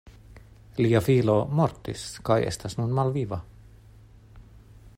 Lia filo mortis kaj estas nun malviva.